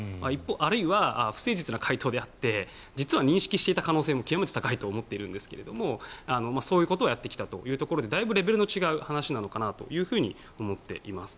あるいは、不誠実な回答であって実は認識していた可能性も極めて高いと思っているんですがそういうことをやってきたというところでだいぶレベルの違う話なのかなと思っています。